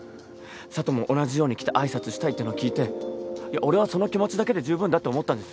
佐都も同じように着て挨拶したいっていうのを聞いて俺はその気持ちだけでじゅうぶんだって思ったんです。